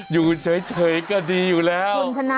อยู่เฉยก็ดีอย่างนั้น